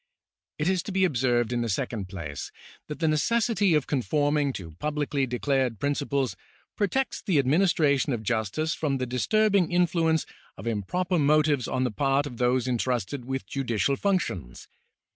It is to be observed in the second place that the necessity of conforming to publicly declared principles protects the administration of justice from the disturbing influence of improper motives on the part of those entrusted with judi cial functions.